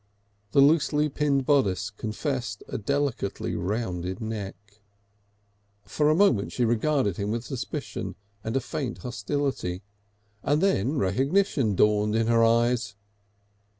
The loosely pinned bodice confessed a delicately rounded neck. For a moment she regarded him with suspicion and a faint hostility, and then recognition dawned in her eyes.